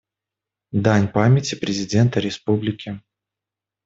Дань памяти президента Республики.